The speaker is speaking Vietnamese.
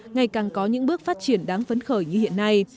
ngày càng có những bước phát triển đáng phấn khởi như hiện nay